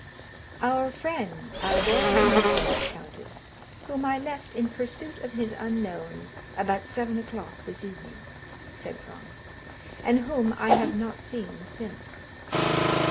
"Our friend, Albert de Morcerf, countess, whom I left in pursuit of his unknown about seven o'clock this evening," said Franz, "and whom I have not seen since."